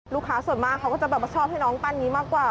ลูกค้าส่วนมากเขาก็จะแบบว่าชอบให้น้องปั้นนี้มากกว่า